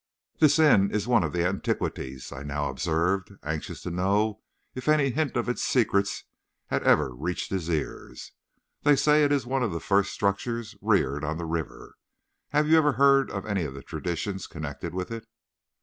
"This inn is one of the antiquities," I now observed, anxious to know if any hint of its secrets had ever reached his ears. "They say it is one of the first structures reared on the river. Have you ever heard any of the traditions connected with it?"